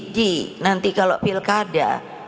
di nanti kalau pilkada